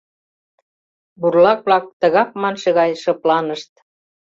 Бурлак-влак «Тыгак» манше гай шыпланышт.